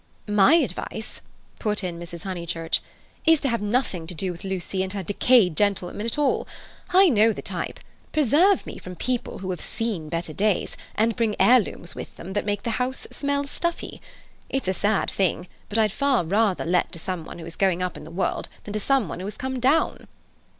"My advice," put in Mrs. Honeychurch, "is to have nothing to do with Lucy and her decayed gentlewomen at all. I know the type. Preserve me from people who have seen better days, and bring heirlooms with them that make the house smell stuffy. It's a sad thing, but I'd far rather let to some one who is going up in the world than to someone who has come down."